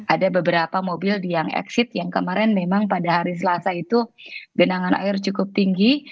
ada beberapa mobil yang exit yang kemarin memang pada hari selasa itu genangan air cukup tinggi